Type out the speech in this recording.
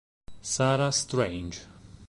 Sarah Strange